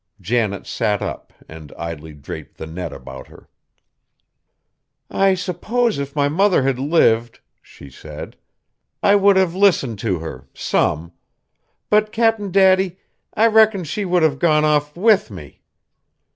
Janet sat up, and idly draped the net about her. "I suppose if my mother had lived," she said, "I would have listened to her some. But, Cap'n Daddy, I reckon she would have gone off with me.